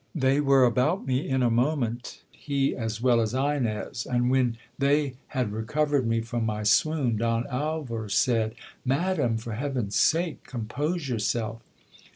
They were about me in a moment — he as well as Ines ; and when they had recovered me from my swoon, Don Alvar said — Madam, for heaven's sake, compose yourself.